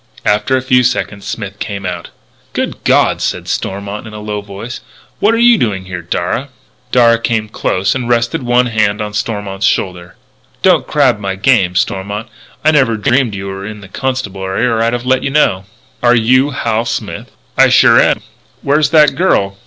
After a few seconds Smith came out. "Good God!" said Stormont in a low voice. "What are you doing here, Darragh?" Darragh came close and rested one hand on Stormont's shoulder: "Don't crab my game, Stormont. I never dreamed you were in the Constabulary or I'd have let you know." "Are you Hal Smith?" "I sure am. Where's that girl?"